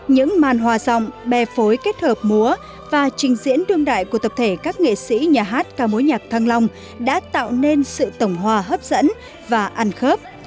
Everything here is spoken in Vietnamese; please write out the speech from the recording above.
những màn hòa giọng bè phối kết hợp múa và trình diễn đương đại của tập thể các nghệ sĩ nhà hát ca mối nhạc thăng long đã tạo nên sự tổng hòa hấp dẫn và ăn khớp